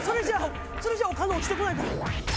それじゃあお金落ちてこないから。